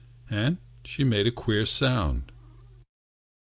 And she made a queer sound.